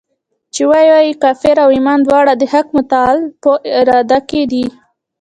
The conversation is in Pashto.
چي وايي کفر او ایمان دواړه د حق متعال په اراده کي دي.